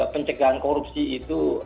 pencegahan korupsi itu